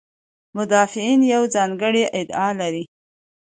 مدافعین یوه ځانګړې ادعا لري.